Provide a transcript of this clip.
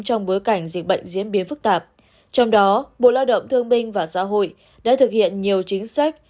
hoặc diễn biến phức tạp trong đó bộ lao động thương binh và xã hội đã thực hiện nhiều chính sách